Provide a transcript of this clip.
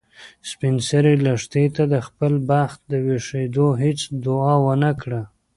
سپین سرې لښتې ته د خپل بخت د ویښېدو هیڅ دعا ونه کړه.